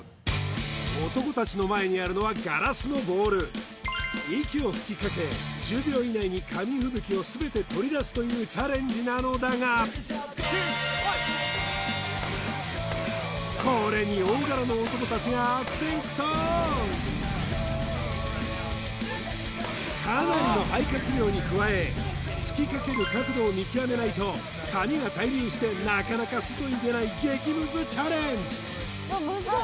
男たちの前にあるのはガラスのボウルというチャレンジなのだがこれに大柄の男たちが悪戦苦闘かなりの肺活量に加え吹きかける角度を見極めないと紙が対流してなかなか外に出ない激ムズチャレンジ